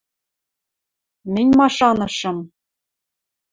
– Мӹнь машанышым...